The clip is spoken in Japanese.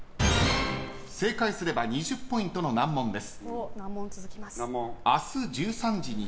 正解すれば２０ポイントの難問です。